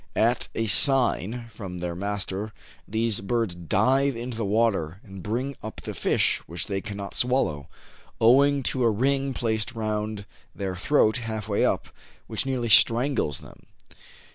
At a sign from their master, these birds dive into the water, and bring up the fish which they cannot swallow, owing to a ring placed around their throat half way up, which nearly strangles them.